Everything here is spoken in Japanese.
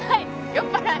酔っ払い！